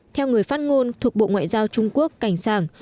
theo người phát ngôn thuộc bộ ngoại giao trung quốc cảnh sảng